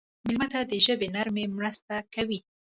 مېلمه ته د ژبې نرمي مرسته کوي.